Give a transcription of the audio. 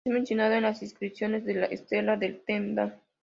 Es mencionado en las inscripciones de la Estela de Tel Dan.